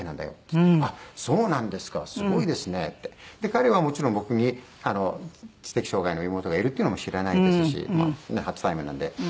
彼はもちろん僕に知的障がいの妹がいるっていうのも知らないですし初対面なんで。